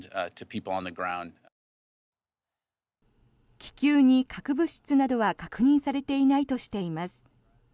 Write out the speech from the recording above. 気球に核物質などは確認されていないとしています。